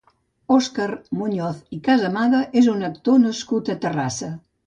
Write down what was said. Òscar Muñoz i Casamada és un actor nascut a Terrassa.